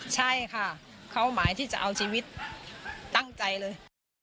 ใช่ค่ะเขาหมายที่จะเอาชีวิตตั้งใจเลย